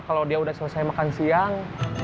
kalau dia sudah selesai makan siang